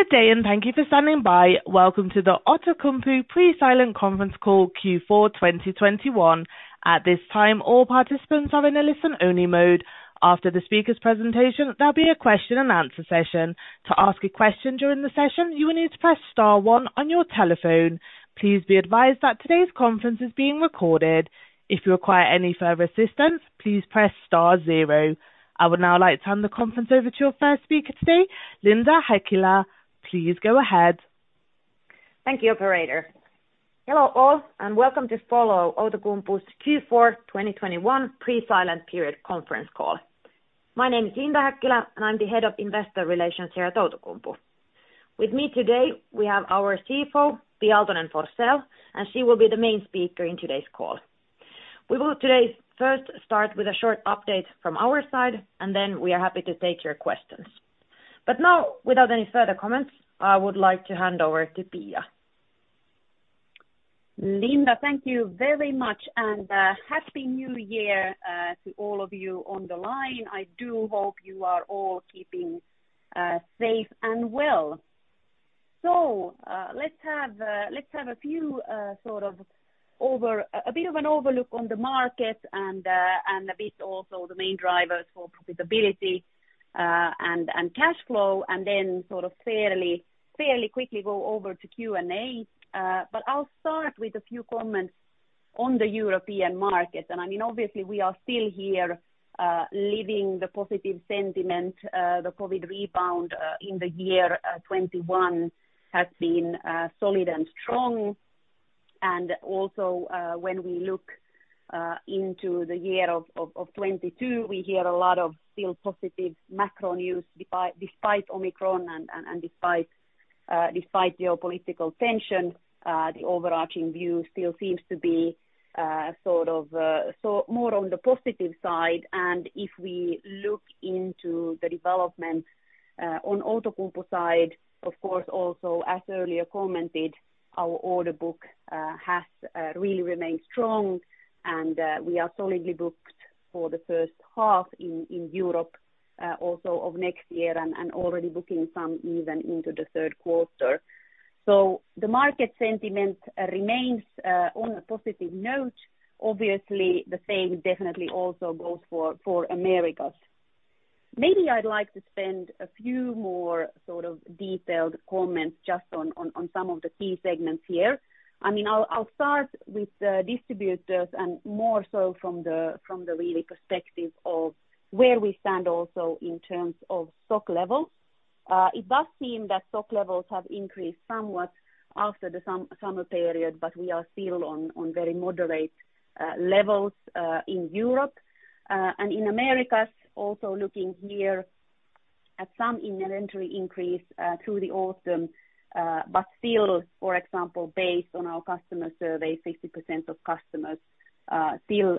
Good day, and thank you for standing by. Welcome to the Outokumpu pre-silent conference call, Q4 2021. At this time, all participants are in a listen-only mode. After the speaker's presentation, there'll be a question and answer session. To ask a question during the session, you will need to press star one on your telephone. Please be advised that today's conference is being recorded. If you require any further assistance, please press star zero. I would now like to hand the conference over to our first speaker today, Linda Häkkilä. Please go ahead. Thank you, operator. Hello, all, and welcome to follow Outokumpu's Q4 2021 pre-silent period conference call. My name is Linda Häkkilä, and I'm the head of investor relations here at Outokumpu. With me today, we have our CFO, Pia Aaltonen-Forsell, and she will be the main speaker in today's call. We will today first start with a short update from our side, and then we are happy to take your questions. Now, without any further comments, I would like to hand over to Pia. Linda, thank you very much and Happy New Year to all of you on the line. I do hope you are all keeping safe and well. Let's have a bit of an overview on the market and a bit also the main drivers for profitability and cash flow, and then fairly quickly go over to Q&A. I'll start with a few comments on the European market. I mean, obviously, we are still here living the positive sentiment. The COVID rebound in the year 2021 has been solid and strong. Also, when we look into the year of 2022, we hear a lot of still positive macro news despite Omicron and despite geopolitical tension. The overarching view still seems to be more on the positive side. If we look into the development on Outokumpu side, of course, also, as earlier commented, our order book has really remained strong. We are solidly booked for the first half in Europe also of next year and already booking some even into the third quarter. The market sentiment remains on a positive note. Obviously, the same definitely also goes for Americas. Maybe I'd like to spend a few more sort of detailed comments just on some of the key segments here. I mean, I'll start with distributors and more so from the retail perspective of where we stand also in terms of stock levels. It does seem that stock levels have increased somewhat after the summer period, but we are still on very moderate levels in Europe. In the Americas, also looking here at some inventory increase through the autumn, but still, for example, based on our customer survey, 60% of customers still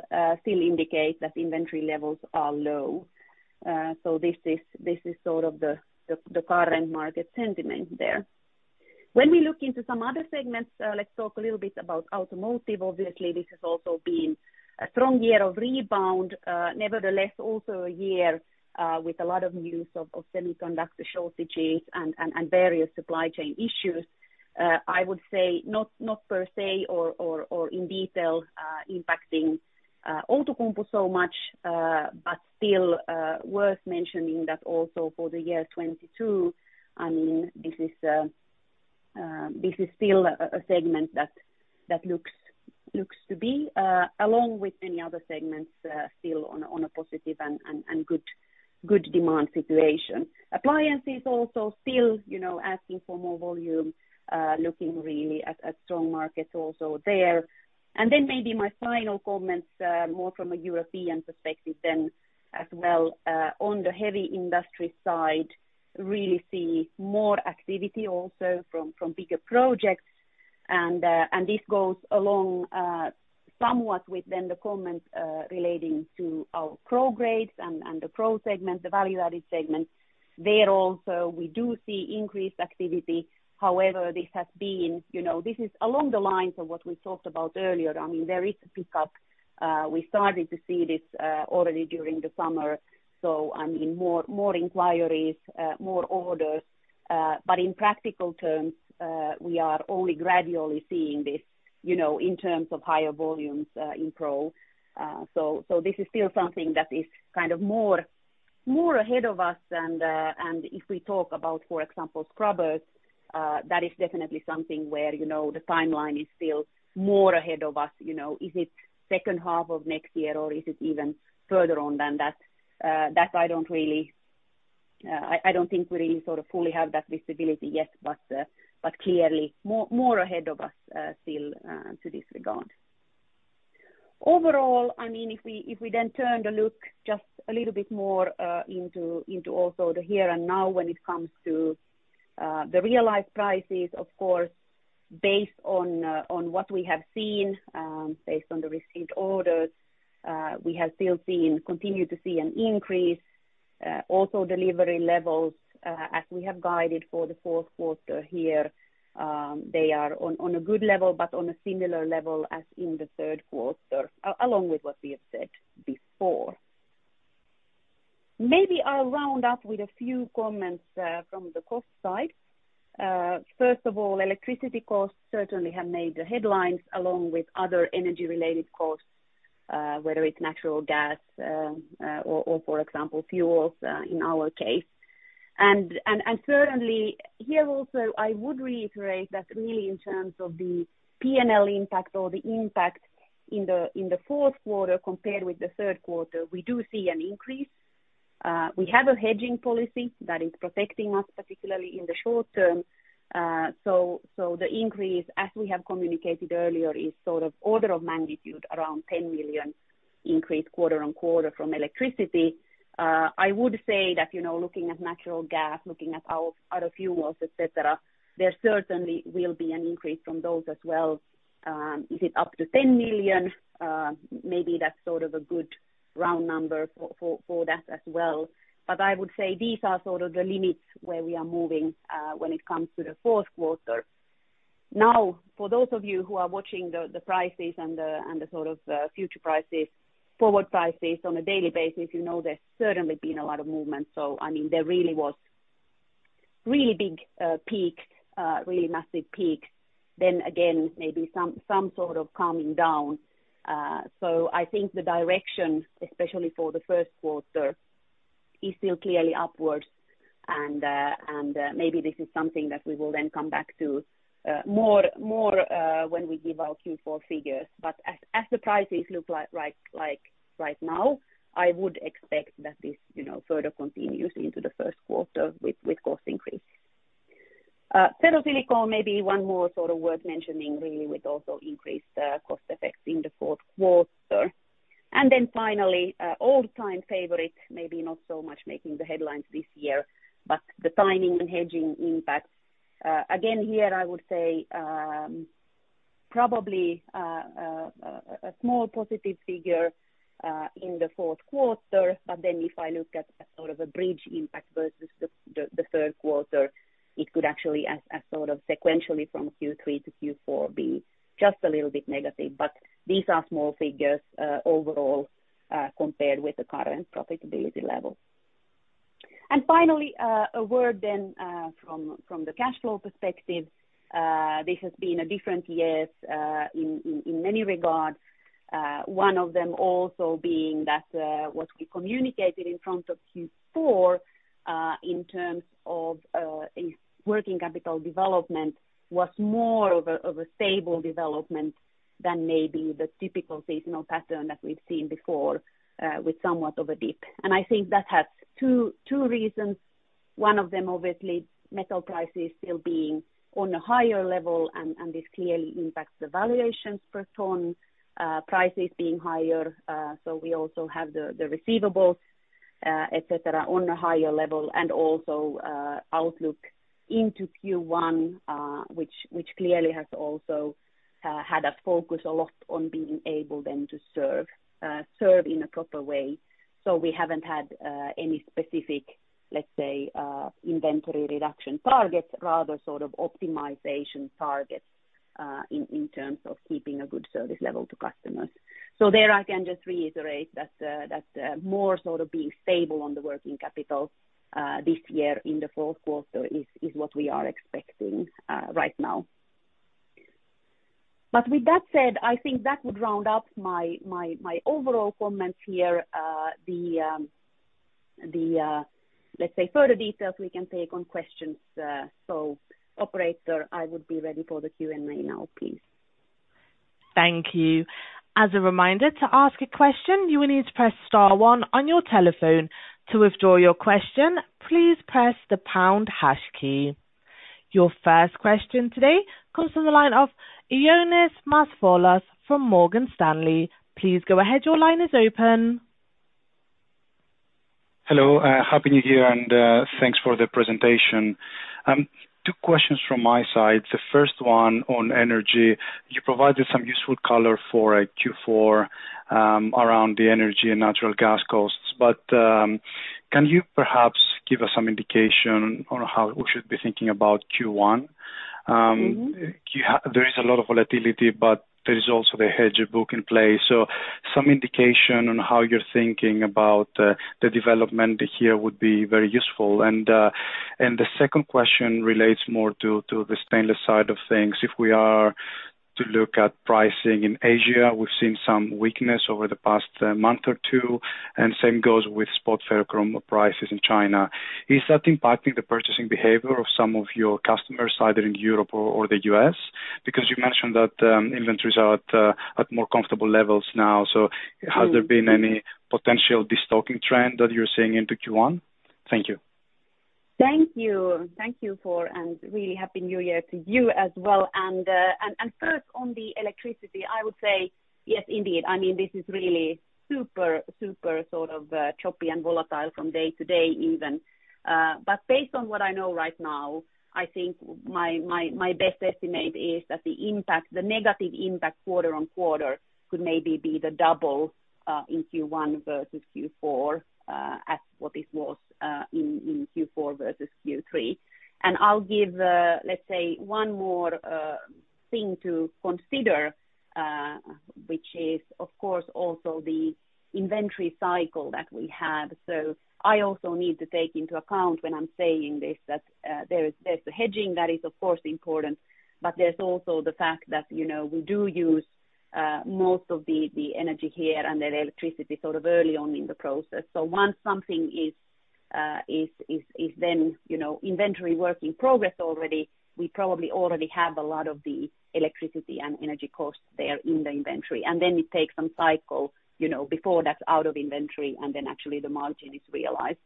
indicate that inventory levels are low. This is sort of the current market sentiment there. When we look into some other segments, let's talk a little bit about automotive. Obviously, this has also been a strong year of rebound. Nevertheless, also a year with a lot of news of semiconductor shortages and various supply chain issues. I would say not per se or in detail impacting Outokumpu so much, but still worth mentioning that also for the year 2022, I mean, this is still a segment that looks to be along with many other segments still on a positive and good demand situation. Appliances also still, you know, asking for more volume, looking really at strong markets also there. Then maybe my final comments more from a European perspective than as well on the heavy industry side, really see more activity also from bigger projects. This goes along somewhat with the comments relating to our Pro grades and the Pro segment, the value-added segment. There also we do see increased activity. However, this has been, you know. This is along the lines of what we talked about earlier. I mean, there is a pickup. We started to see this already during the summer. I mean more inquiries, more orders. But in practical terms, we are only gradually seeing this, you know, in terms of higher volumes in Pro. This is still something that is kind of more ahead of us. If we talk about, for example, scrubbers, that is definitely something where, you know, the timeline is still more ahead of us, you know. Is it second half of next year or is it even further on than that? That I don't really I don't think we really sort of fully have that visibility yet. Clearly more ahead of us still to this regard. Overall, I mean, if we then turn to look just a little bit more into also the here and now when it comes to the realized prices, of course, based on what we have seen, based on the received orders, we have still seen continue to see an increase. Also delivery levels, as we have guided for the fourth quarter here, they are on a good level, but on a similar level as in the third quarter, along with what we have said before. Maybe I'll round up with a few comments from the cost side. First of all, electricity costs certainly have made the headlines along with other energy-related costs, whether it's natural gas, or for example, fuels, in our case. Certainly here also I would reiterate that really in terms of the PNL impact or the impact in the fourth quarter compared with the third quarter, we do see an increase. We have a hedging policy that is protecting us, particularly in the short term. The increase as we have communicated earlier is sort of order of magnitude around 10 million increased quarter on quarter from electricity. I would say that you know, looking at natural gas, looking at our other fuels, et cetera, there certainly will be an increase from those as well. Is it up to 10 million? Maybe that's sort of a good round number for that as well. I would say these are sort of the limits where we are moving when it comes to the fourth quarter. Now, for those of you who are watching the prices and the sort of future prices, forward prices on a daily basis, you know, there's certainly been a lot of movement. I mean, there really was really big peak, really massive peak. Maybe some sort of calming down. I think the direction, especially for the first quarter, is still clearly upwards and maybe this is something that we will then come back to more when we give our Q4 figures. As the prices look like right now, I would expect that this you know further continues into the first quarter with cost increase. Ferrosilicon may be one more sort of worth mentioning really with also increased cost effects in the fourth quarter. Finally, all-time favorite, maybe not so much making the headlines this year, but the timing and hedging impact. Again here I would say, probably, a small positive figure in the fourth quarter, but then if I look at sort of a bridge impact versus the third quarter, it could actually sort of sequentially from Q3 to Q4 be just a little bit negative. These are small figures, overall, compared with the current profitability level. Finally, a word then from the cash flow perspective. This has been a different year in many regards, one of them also being that what we communicated ahead of Q4 in terms of a working capital development was more of a stable development than maybe the typical seasonal pattern that we've seen before, with somewhat of a dip. I think that has two reasons. One of them obviously metal prices still being on a higher level and this clearly impacts the valuations per ton, prices being higher. We also have the receivables, et cetera, on a higher level. Outlook into Q1, which clearly has also had a focus a lot on being able then to serve in a proper way. We haven't had any specific, let's say, inventory reduction targets, rather sort of optimization targets, in terms of keeping a good service level to customers. There I can just reiterate that, more sort of being stable on the working capital, this year in the fourth quarter is what we are expecting, right now. With that said, I think that would round up my overall comments here. Let's say further details we can take on questions, so operator, I would be ready for the Q&A now, please. Thank you. As a reminder, to ask a question, you will need to press star one on your telephone. To withdraw your question, please press the pound hash key. Your first question today comes from the line of Ioannis Masvoulas from Morgan Stanley. Please go ahead. Your line is open. Hello, happy New Year and, thanks for the presentation. Two questions from my side. The first one on energy. You provided some useful color for Q4 around the energy and natural gas costs. Can you perhaps give us some indication on how we should be thinking about Q1? Mm-hmm. There is a lot of volatility, but there is also the hedge book in play, so some indication on how you're thinking about the development here would be very useful. The second question relates more to the stainless side of things. If we are to look at pricing in Asia, we've seen some weakness over the past month or two, and same goes with spot FeCr prices in China. Is that impacting the purchasing behavior of some of your customers, either in Europe or the U.S.? Because you mentioned that inventories are at more comfortable levels now. Mm-hmm. Has there been any potential destocking trend that you're seeing into Q1? Thank you. Thank you. And really happy New Year to you as well. First on the electricity, I would say yes, indeed. I mean, this is really super sort of choppy and volatile from day to day even. But based on what I know right now, I think my best estimate is that the impact, the negative impact quarter-on-quarter could maybe be the double in Q1 versus Q4 as what this was in Q4 versus Q3. I'll give let's say one more thing to consider, which is, of course, also the inventory cycle that we have. I also need to take into account when I'm saying this, that there's the hedging that is of course important, but there's also the fact that, you know, we do use most of the energy here and the electricity sort of early on in the process. Once something is then, you know, inventory work in progress already, we probably already have a lot of the electricity and energy costs there in the inventory. And then it takes some cycle, you know, before that's out of inventory, and then actually the margin is realized.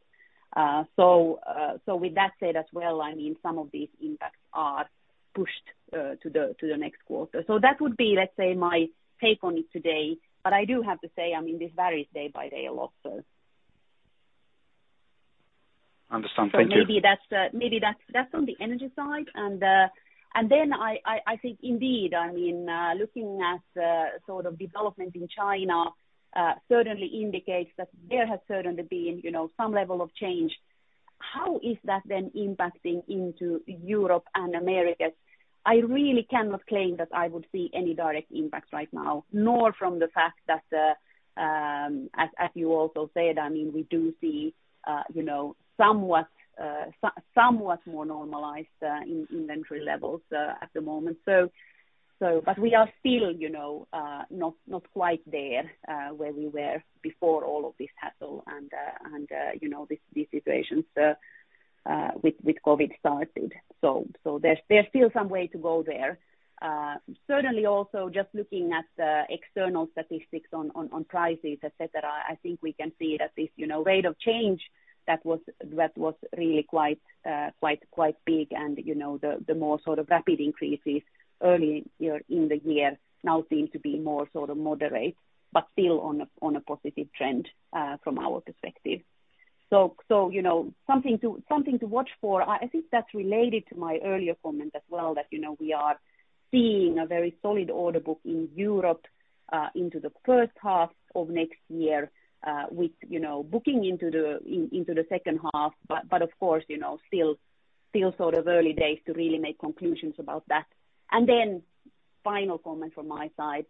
With that said as well, I mean, some of these impacts are pushed to the next quarter. That would be, let's say, my take on it today. I do have to say, I mean, this varies day by day a lot, so. Understand. Thank you. Maybe that's on the energy side. I think indeed, I mean, looking at sort of development in China, certainly indicates that there has been, you know, some level of change. How is that then impacting into Europe and Americas? I really cannot claim that I would see any direct impact right now, nor from the fact that, as you also said, I mean, we do see, you know, somewhat more normalized inventory levels at the moment. We are still, you know, not quite there, where we were before all of this hassle and, you know, this, these situations with COVID started. There's still some way to go there. Certainly also just looking at external statistics on prices, et cetera, I think we can see that this, you know, rate of change that was really quite big and, you know, the more sort of rapid increases early in the year now seem to be more sort of moderate, but still on a positive trend from our perspective. You know, something to watch for. I think that's related to my earlier comment as well, that, you know, we are seeing a very solid order book in Europe into the first half of next year, with, you know, booking into the second half. Of course, you know, still sort of early days to really make conclusions about that. Final comment from my side,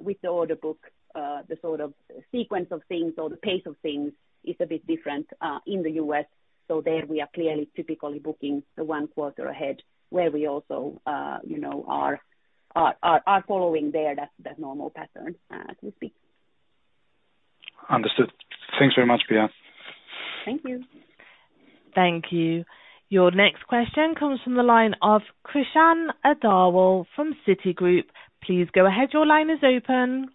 with the order book, the sort of sequence of things or the pace of things is a bit different in the U.S., so there we are clearly typically booking one quarter ahead where we also, you know, are following there that normal pattern, to speak. Understood. Thanks very much, Pia. Thank you. Thank you. Your next question comes from the line of Krishan Agarwal from Citigroup. Please go ahead. Your line is open.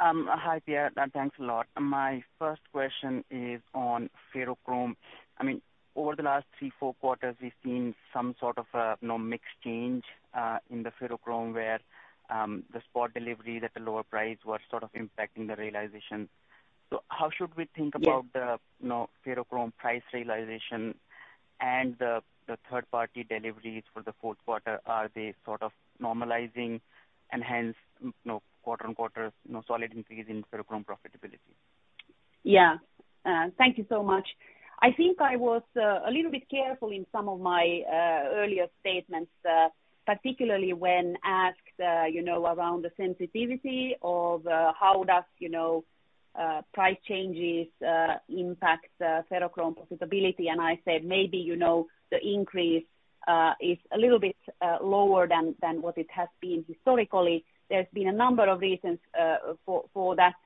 Hi, Pia. Thanks a lot. My first question is on ferrochrome. I mean, over the last three, four quarters, we've seen some sort of, you know, mixed change in the ferrochrome, where the spot deliveries at the lower price were sort of impacting the realization. How should we think about- Yes. The, you know, ferrochrome price realization and the third party deliveries for the fourth quarter? Are they sort of normalizing and hence, you know, quarter-on-quarter, you know, solid increase in ferrochrome profitability? Yeah. Thank you so much. I think I was a little bit careful in some of my earlier statements, particularly when asked, you know, around the sensitivity of how does, you know, price changes impact ferrochrome profitability. I said maybe, you know, the increase is a little bit lower than what it has been historically. There's been a number of reasons for that.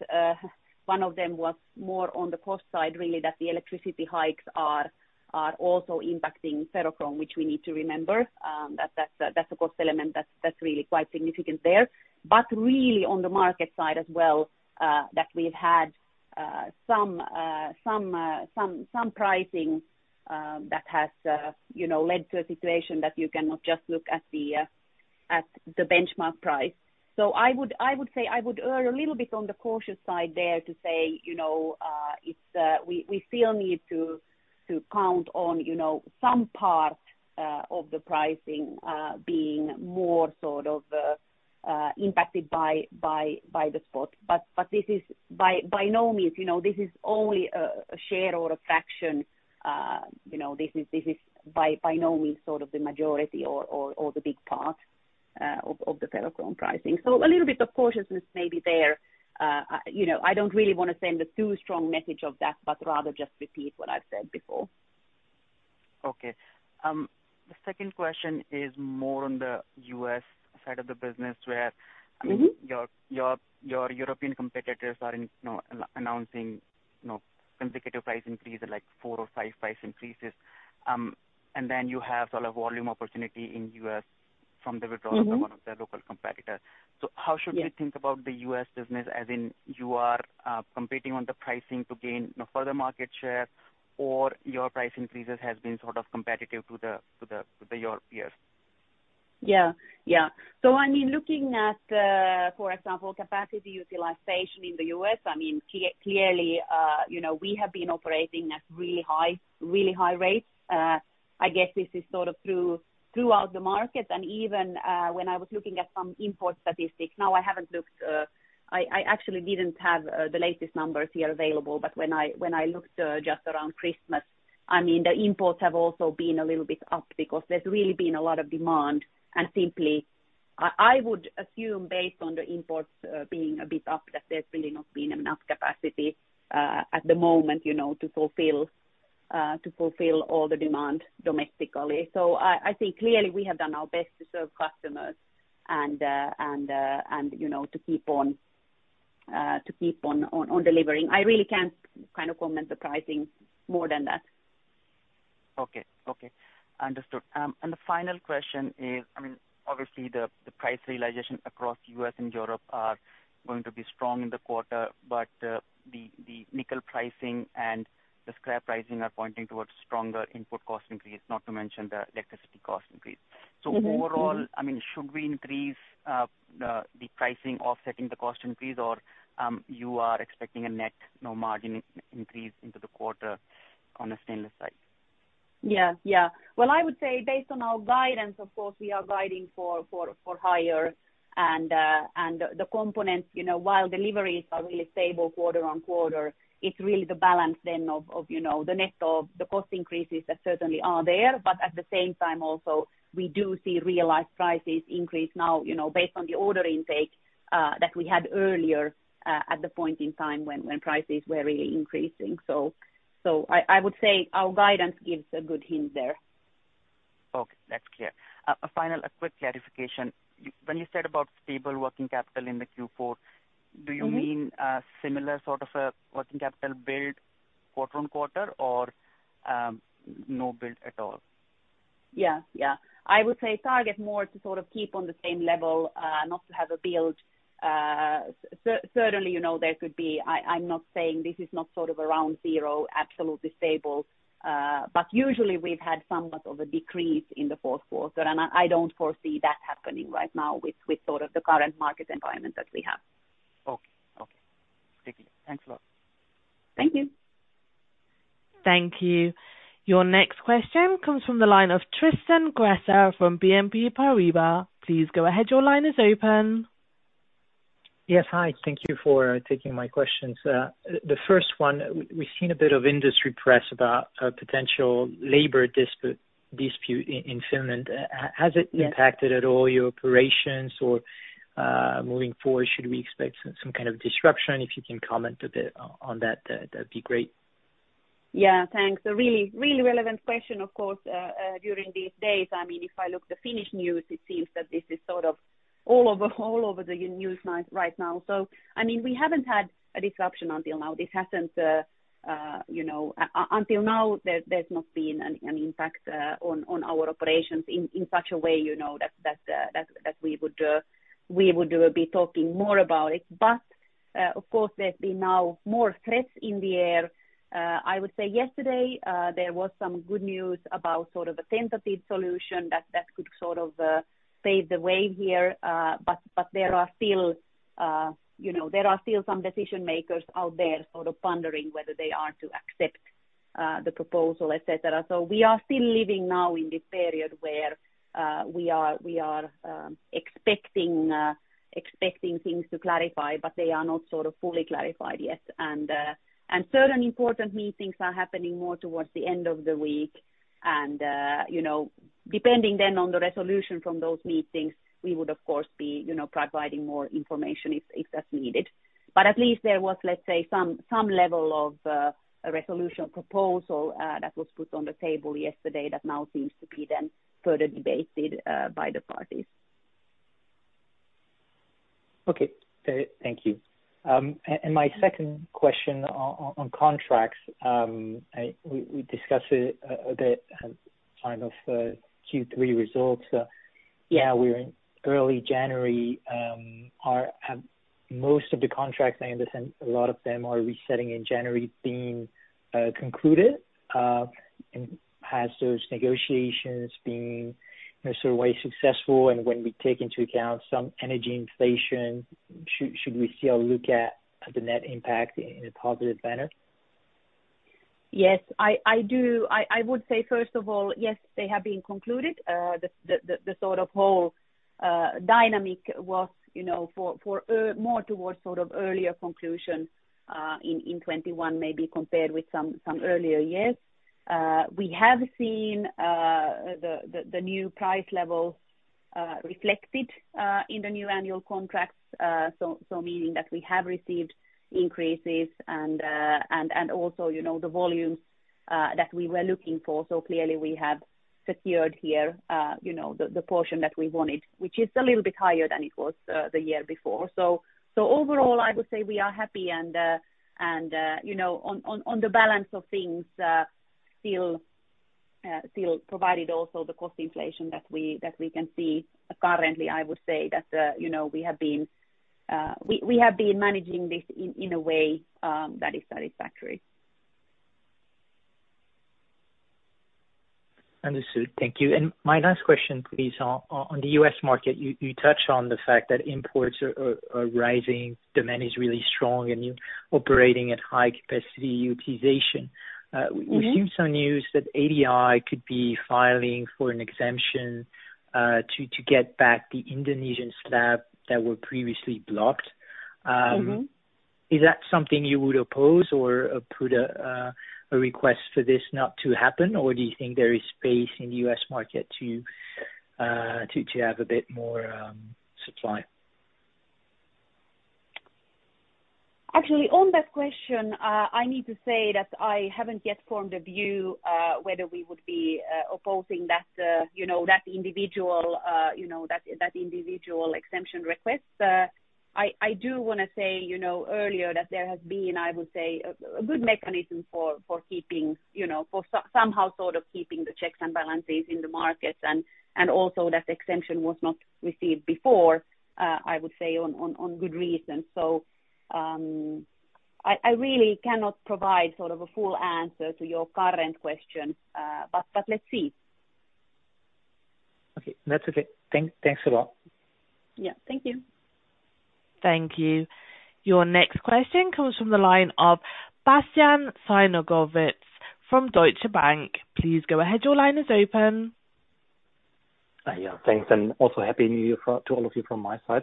One of them was more on the cost side, really, that the electricity hikes are also impacting ferrochrome, which we need to remember. That's a cost element that's really quite significant there. Really on the market side as well, that we've had some pricing that has, you know, led to a situation that you cannot just look at the benchmark price. I would say I would err a little bit on the cautious side there to say, you know, it's we still need to count on, you know, some part of the pricing being more sort of impacted by the spot. This is by no means, you know, this is only a share or a fraction. You know, this is by no means sort of the majority or the big part of the ferrochrome pricing. A little bit of cautiousness may be there. You know, I don't really wanna send a too strong message of that, but rather just repeat what I've said before. Okay. The second question is more on the U.S. side of the business, where- Mm-hmm. I mean, your European competitors are announcing, you know, indicative price increases like four or five price increases. You have sort of volume opportunity in U.S. from the withdrawal- Mm-hmm. of one of the local competitors. Yes. How should we think about the U.S. business, as in you are competing on the pricing to gain, you know, further market share, or your price increases has been sort of competitive to the Europeans? Yeah. I mean, looking at, for example, capacity utilization in the U.S., I mean, clearly, you know, we have been operating at really high rates. I guess this is sort of throughout the market. Even when I was looking at some import statistics, now I haven't looked, I actually didn't have the latest numbers here available, but when I looked just around Christmas, I mean, the imports have also been a little bit up because there's really been a lot of demand, and simply, I would assume based on the imports being a bit up that there's really not been enough capacity at the moment, you know, to fulfill all the demand domestically. I think clearly we have done our best to serve customers and, you know, to keep on delivering. I really can't kind of comment on the pricing more than that. Okay. Understood. The final question is, I mean, obviously the price realization across U.S. and Europe is going to be strong in the quarter, but the nickel pricing and the scrap pricing are pointing towards stronger input cost increase, not to mention the electricity cost increase. Mm-hmm. Overall, I mean, should we increase the pricing offsetting the cost increase or you are expecting a net, you know, margin increase into the quarter on the stainless side? Well, I would say based on our guidance, of course, we are guiding for higher and the components, you know, while deliveries are really stable quarter-over-quarter. It's really the balance then of, you know, the net of the cost increases that certainly are there. At the same time also we do see realized prices increase now, you know, based on the order intake that we had earlier at the point in time when prices were really increasing. I would say our guidance gives a good hint there. Okay. That's clear. A quick clarification. When you said about stable working capital in the Q4- Mm-hmm. Do you mean similar sort of a working capital build quarter-over-quarter or no build at all? Yeah. I would say target more to sort of keep on the same level, not to have a build. Certainly, you know, there could be, I'm not saying this is not sort of around zero, absolutely stable. But usually we've had somewhat of a decrease in the fourth quarter, and I don't foresee that happening right now with sort of the current market environment that we have. Okay. Okay. Thank you. Thanks a lot. Thank you. Thank you. Your next question comes from the line of Tristan Gresser from BNP Paribas. Please go ahead. Your line is open. Yes. Hi. Thank you for taking my questions. The first one, we've seen a bit of industry press about a potential labor dispute in Finland. Has it- Yes. impacted at all your operations or, moving forward, should we expect some kind of disruption? If you can comment a bit on that'd be great. Yeah. Thanks. A really relevant question of course during these days. I mean, if I look the Finnish news, it seems that this is sort of all over the news right now. I mean, we haven't had a disruption until now. This hasn't you know until now, there's not been an impact on our operations in such a way you know that we would be talking more about it. Of course, there's been now more threats in the air. I would say yesterday there was some good news about sort of a tentative solution that could sort of pave the way here. There are still, you know, some decision makers out there sort of pondering whether they are to accept the proposal, et cetera. We are still living now in this period where we are expecting things to clarify, but they are not sort of fully clarified yet. Certain important meetings are happening more towards the end of the week. You know, depending then on the resolution from those meetings, we would of course be, you know, providing more information if that's needed. At least there was, let's say, some level of a resolution proposal that was put on the table yesterday that now seems to be then further debated by the parties. Okay. Thank you. My second question on contracts, we discussed it a bit at time of Q3 results. Yeah, we're in early January. Are most of the contracts, I understand a lot of them are resetting in January, being concluded. Has those negotiations been in a certain way successful? When we take into account some energy inflation, should we still look at the net impact in a positive manner? Yes. I do. I would say first of all, yes, they have been concluded. The sort of whole dynamic was, you know, for more towards sort of earlier conclusion in 2021 maybe compared with some earlier years. We have seen the new price level reflected in the new annual contracts. Meaning that we have received increases and also, you know, the volumes that we were looking for. Clearly we have secured here, you know, the portion that we wanted, which is a little bit higher than it was the year before. Overall, I would say we are happy and, you know, on the balance of things, still provided also the cost inflation that we can see currently, I would say that, you know, we have been managing this in a way that is satisfactory. Understood. Thank you. My last question please on the U.S. market, you touched on the fact that imports are rising, demand is really strong and you're operating at high capacity utilization. Mm-hmm. We've seen some news that IRNC could be filing for an exemption to get back the Indonesian slabs that were previously blocked. Mm-hmm. Is that something you would oppose or put a request for this not to happen? Or do you think there is space in the U.S. market to have a bit more supply? Actually, on that question, I need to say that I haven't yet formed a view whether we would be opposing that, you know, that individual exemption request. I do wanna say, you know, earlier that there has been, I would say, a good mechanism for keeping, you know, for somehow sort of keeping the checks and balances in the markets and also that exemption was not received before, I would say on good reasons. I really cannot provide sort of a full answer to your current question, but let's see. Okay. That's okay. Thanks a lot. Yeah. Thank you. Thank you. Your next question comes from the line of Bastian Synagowitz from Deutsche Bank. Please go ahead. Your line is open. Yeah. Thanks, and also happy New Year to all of you from my side.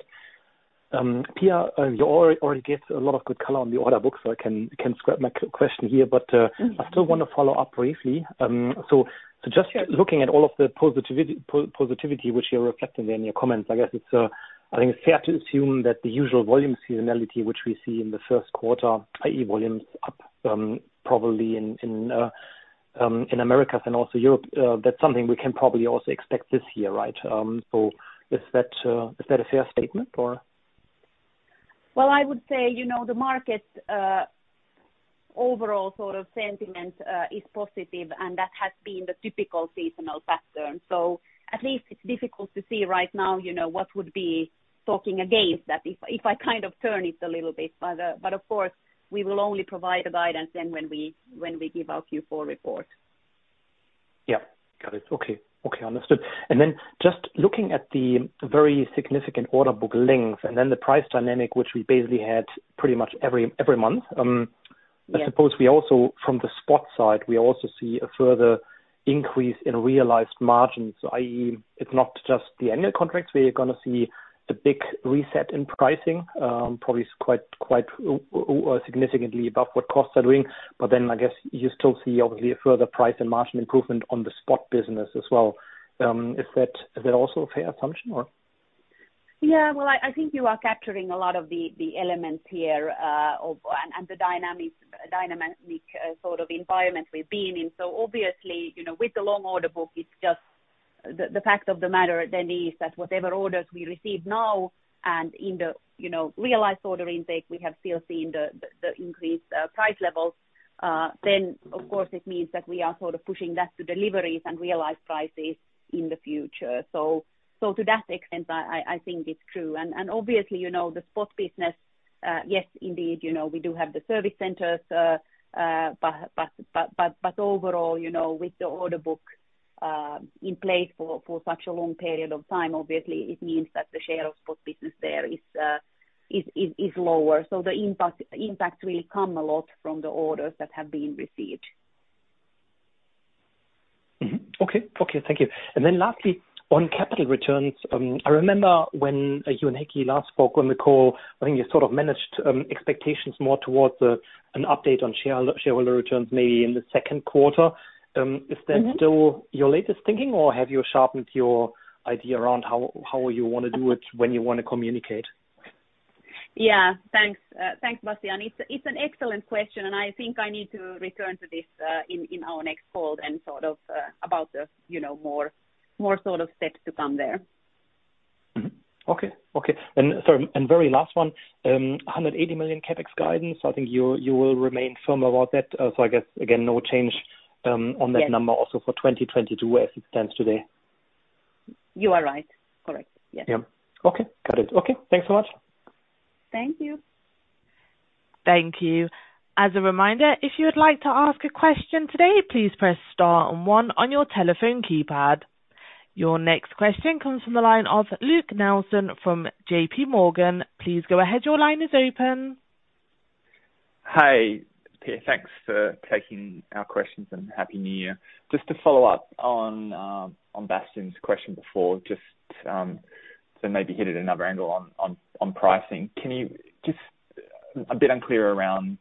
Pia, you already gave a lot of good color on the order book, so I can scrap my question here. Mm-hmm. I still wanna follow up briefly. Just looking at all of the positivity which you're reflecting there in your comments, I guess it's I think it's fair to assume that the usual volume seasonality which we see in the first quarter, i.e., volumes up, probably in Americas and also Europe, that's something we can probably also expect this year, right? Is that a fair statement or? Well, I would say, you know, the market, overall sort of sentiment, is positive, and that has been the typical seasonal pattern. At least it's difficult to see right now, you know, what would be talking against that if I kind of turn it a little bit. Of course, we will only provide the guidance then when we give our Q4 report. Yeah. Got it. Okay. Understood. Just looking at the very significant order book length and then the price dynamic which we basically had pretty much every month. Yeah. I suppose we also, from the spot side, we also see a further increase in realized margins, i.e., it's not just the annual contracts where you're gonna see the big reset in pricing, probably quite significantly above what costs are doing. I guess you still see obviously a further price and margin improvement on the spot business as well. Is that also a fair assumption or? Well, I think you are capturing a lot of the elements here, and the dynamics sort of environment we've been in. Obviously, you know, with the long order book, it's just the fact of the matter is that whatever orders we receive now and into the realized order intake, we have still seen the increased price levels. Of course it means that we are sort of pushing that to deliveries and realized prices in the future. To that extent, I think it's true. Obviously, you know, the spot business, yes, indeed, you know, we do have the service centers. Overall, you know, with the order book in place for such a long period of time, obviously it means that the share of spot business there is lower. The impact will come a lot from the orders that have been received. Thank you. Lastly, on capital returns, I remember when you and Heikki last spoke on the call, I think you sort of managed expectations more towards an update on shareholder returns maybe in the second quarter. Mm-hmm. Is that still your latest thinking, or have you sharpened your idea around how you wanna do it, when you wanna communicate? Thanks, Bastian. It's an excellent question, and I think I need to return to this in our next call and sort of about the, you know, more sort of steps to come there. Mm-hmm. Okay. Sorry, very last one. 180 million CapEx guidance, I think you will remain firm about that. I guess, again, no change on that- Yes. Number also for 2022 as it stands today? You are right. Correct. Yes. Yeah. Okay. Got it. Okay. Thanks so much. Thank you. Thank you. As a reminder, if you would like to ask a question today, please press star and one on your telephone keypad. Your next question comes from the line of Luke Nelson from JPMorgan. Please go ahead. Your line is open. Hi. Pia, thanks for taking our questions, and Happy New Year. Just to follow up on Bastian's question before, just to maybe hit at another angle on pricing. It's a bit unclear around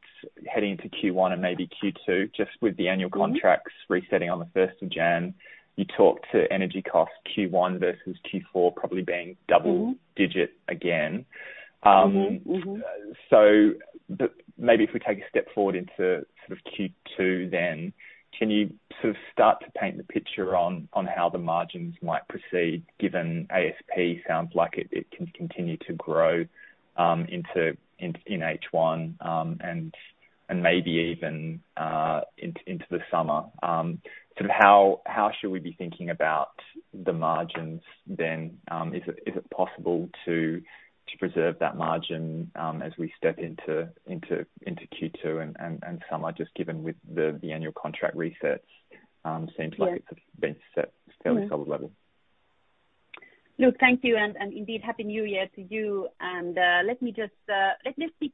heading into Q1 and maybe Q2, just with the annual contracts. Mm-hmm. Resetting on the first of January. You talked to energy costs Q1 versus Q4 probably being double. Mm-hmm. -digit again. Um- Mm-hmm, mm-hmm. Maybe if we take a step forward into sort of Q2 then, can you sort of start to paint the picture on how the margins might proceed given ASP sounds like it can continue to grow into H1 and maybe even into the summer. Sort of how should we be thinking about the margins then? Is it possible to preserve that margin as we step into Q2 and summer, just given with the annual contract resets. Yes. Seems like it's been set at a fairly solid level. Luke, thank you and indeed, Happy New Year to you. Let me just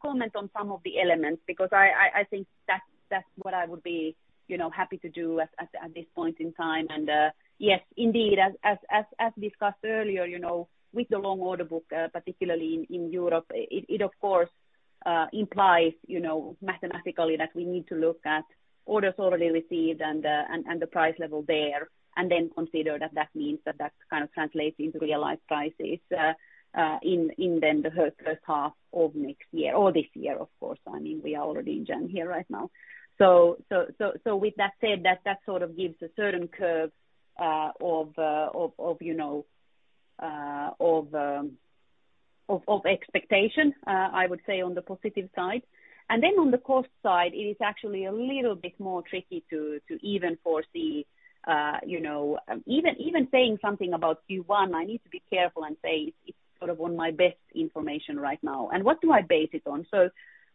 comment on some of the elements because I think that's what I would be, you know, happy to do at this point in time. Yes, indeed, as discussed earlier, you know, with the long order book, particularly in Europe, it of course implies, you know, mathematically that we need to look at orders already received and the price level there, and then consider that that means that that kind of translates into realized prices in the first half of next year or this year, of course. I mean, we are already in Jan here right now. With that said, that sort of gives a certain curve of expectation, you know, I would say on the positive side. Then on the cost side, it is actually a little bit more tricky to even foresee, you know. Even saying something about Q1, I need to be careful and say it's sort of on my best information right now. What do I base it on?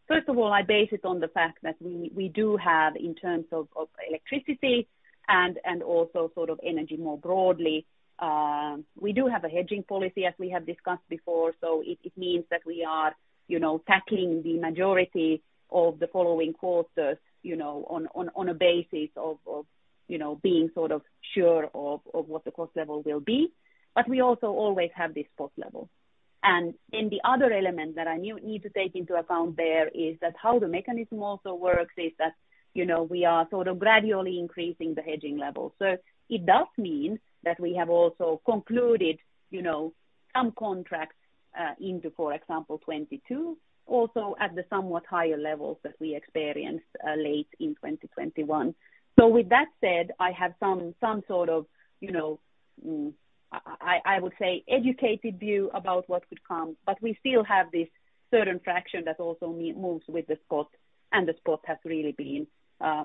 First of all, I base it on the fact that we do have in terms of electricity and also sort of energy more broadly. We do have a hedging policy as we have discussed before. It means that we are tackling the majority of the following quarters on a basis of being sort of sure of what the cost level will be. We also always have this spot level. Then the other element that I need to take into account there is that we are sort of gradually increasing the hedging level. It does mean that we have also concluded some contracts into, for example, 2022, also at the somewhat higher levels that we experienced late in 2021. With that said, I have some sort of educated view about what could come. We still have this certain fraction that also moves with the spot, and the spot has really been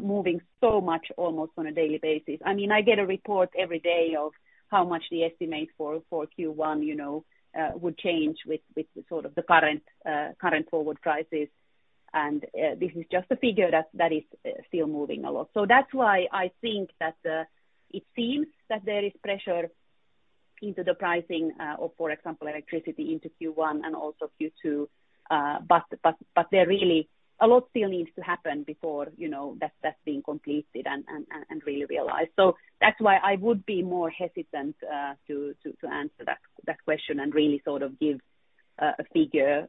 moving so much almost on a daily basis. I mean, I get a report every day of how much the estimate for Q1, you know, would change with the sort of the current current forward prices. This is just a figure that is still moving a lot. That's why I think that it seems that there is pressure into the pricing of, for example, electricity into Q1 and also Q2. There really a lot still needs to happen before, you know, that's being completed and really realized. That's why I would be more hesitant to answer that question and really sort of give a figure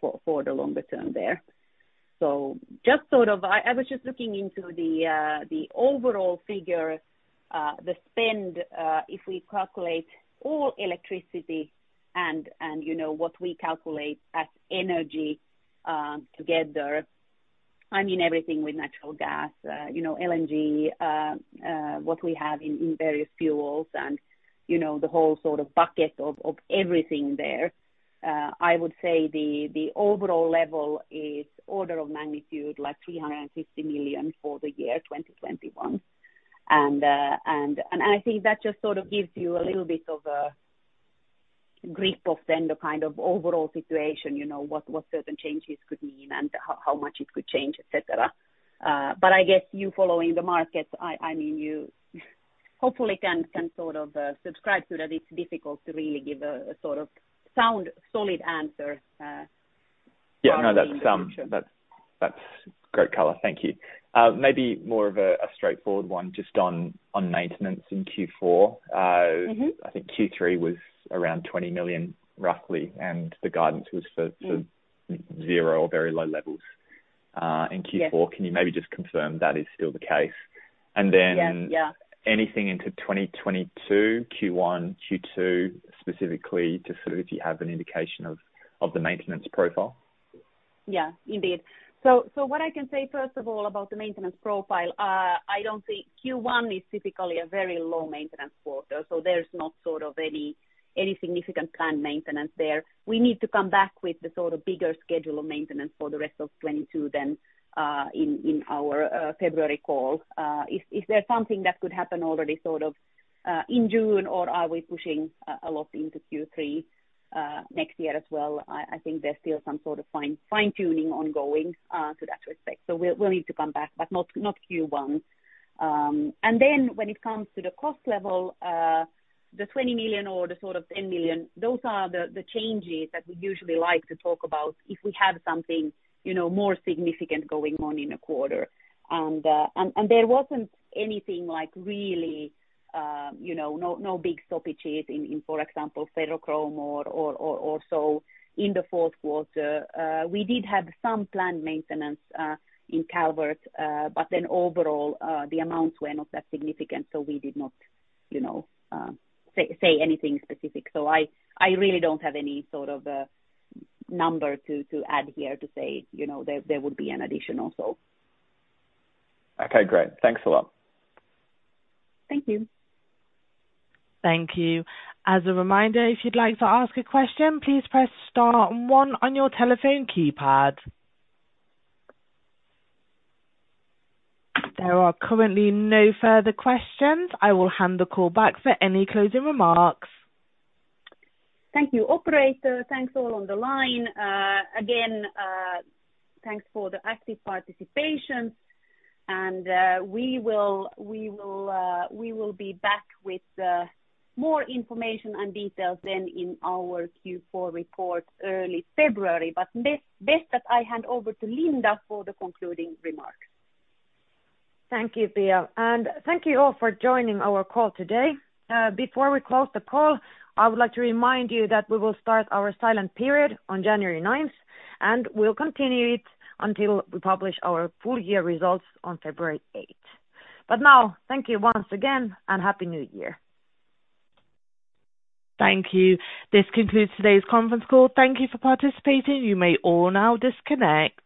for the longer term there. Just sort of I was just looking into the overall figure, the spend, if we calculate all electricity and, you know, what we calculate as energy, together. I mean everything with natural gas, you know, LNG, what we have in various fuels and, you know, the whole sort of bucket of everything there. I would say the overall level is order of magnitude, like 350 million for the year 2021. I think that just sort of gives you a little bit of a grip of then the kind of overall situation, you know, what certain changes could mean and how much it could change, et cetera. I guess you following the markets, I mean, you hopefully can sort of subscribe to that it's difficult to really give a sort of sound, solid answer, far into the future. Yeah, no, that's great color. Thank you. Maybe more of a straightforward one just on maintenance in Q4. Mm-hmm. I think Q3 was around 20 million, roughly, and the guidance was for Mm. For zero or very low levels. Yes. in Q4. Can you maybe just confirm that is still the case? Yes. Yeah. Anything into 2022, Q1, Q2, specifically, just sort of if you have an indication of the maintenance profile? Yeah. Indeed. What I can say first of all about the maintenance profile, I don't think Q1 is typically a very low maintenance quarter, so there's not sort of any significant planned maintenance there. We need to come back with the sort of bigger schedule of maintenance for the rest of 2022 then, in our February call. If there's something that could happen already sort of in June or are we pushing a lot into Q3 next year as well, I think there's still some sort of fine-tuning ongoing to that respect. We'll need to come back, but not Q1. When it comes to the cost level, the 20 million or the sort of 10 million, those are the changes that we usually like to talk about if we have something, you know, more significant going on in a quarter. There wasn't anything like really, you know, no big stoppages in, for example, ferrochrome or so in the fourth quarter. We did have some planned maintenance in Calvert, but overall, the amounts were not that significant, so we did not, you know, say anything specific. I really don't have any sort of number to add here to say, you know, there would be an addition also. Okay, great. Thanks a lot. Thank you. Thank you. As a reminder, if you'd like to ask a question, please press star and one on your telephone keypad. There are currently no further questions. I will hand the call back for any closing remarks. Thank you, operator. Thanks all on the line. Again, thanks for the active participation. We will be back with more information and details then in our Q4 report early February. Best that I hand over to Linda for the concluding remarks. Thank you, Pia. Thank you all for joining our call today. Before we close the call, I would like to remind you that we will start our silent period on January ninth, and we'll continue it until we publish our full year results on February eighth. Now thank you once again and Happy New Year. Thank you. This concludes today's conference call. Thank you for participating. You may all now disconnect.